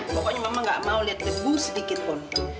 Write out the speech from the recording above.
pokoknya mama gak mau liat debu sedikitpun